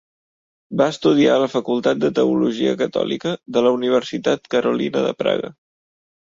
Va estudiar a la facultat de teologia catòlica de la universitat Carolina de Praga.